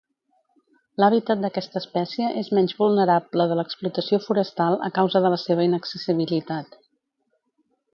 L'hàbitat d'aquesta espècie és menys vulnerable de l'explotació forestal a causa de la seva inaccessibilitat.